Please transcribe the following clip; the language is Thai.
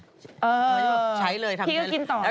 เออใช้เลยทำงาน